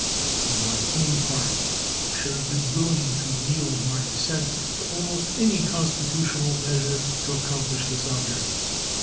For my own part, I should have been willing to yield my assent to almost any constitutional measure to accomplish this object.